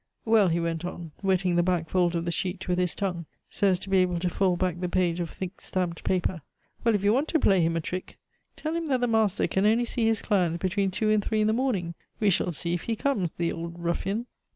Well," he went on, wetting the back fold of the sheet with his tongue, so as to be able to fold back the page of thick stamped paper, "well, if you want to play him a trick, tell him that the master can only see his clients between two and three in the morning; we shall see if he comes, the old ruffian!"